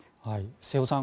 瀬尾さん